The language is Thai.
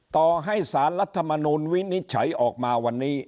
ต่อให้สารรัฐมนุนวินิจฉัยออกมาวันนี้